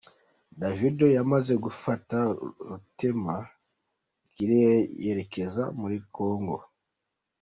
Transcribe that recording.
Davido yamaze gufata rutema ikirere yerekeza muri Congo.